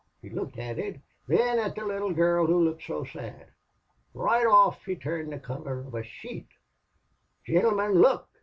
He looked at it thin at the little gurl who looked so sad. Roight off he turned the color of a sheet. 'Gintlemen, look!